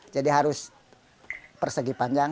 jadi harus persegi panjang